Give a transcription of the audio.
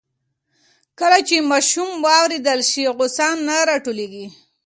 کله چې ماشوم واورېدل شي, غوسه نه راټولېږي.